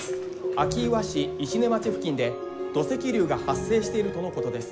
明岩市石音町付近で土石流が発生しているとのことです。